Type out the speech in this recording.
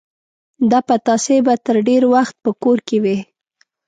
دا پتاسې به تر ډېر وخت په کور کې وې.